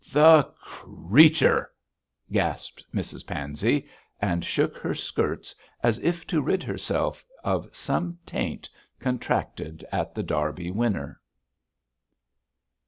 'The creature!' gasped Mrs Pansey, and shook her skirts as if to rid herself of some taint contracted at The Derby Winner.